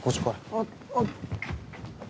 あっあっ。